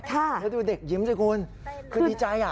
แล้วดูเด็กยิ้มสิคุณคือดีใจ